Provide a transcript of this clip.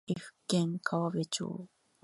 岐阜県川辺町